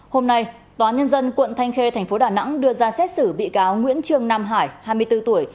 hôm nay tòa nhân dân quận thanh khê thành phố đà nẵng đưa ra xét xử bị cáo nguyễn trương nam hải hai mươi bốn tuổi